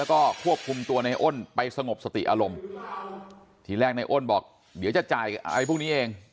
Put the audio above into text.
แล้วก็ควบคุมตัวในอ้นไปสงบสติอารมณ์ทีแรกในอ้นบอกเดี๋ยวจะจ่ายอะไรพวกนี้เอง